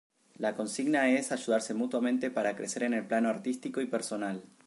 La consigna es ayudarse mutuamente para crecer en el plano artístico y personal.